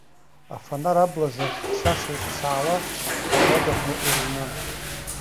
Афанар аблазаҵә-ҭшаша ԥшаауа ауадақәа ирыҩнан.